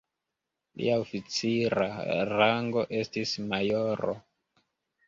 Lia oficira rango estis majoro.